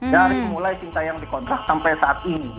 dari mulai cintayong dikontrak sampai saat ini